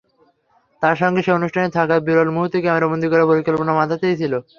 তাঁর সঙ্গে সেই অনুষ্ঠানে থাকার বিরল মুহূর্ত ক্যামেরাবন্দী করার পরিকল্পনা মাথাতেই ছিল।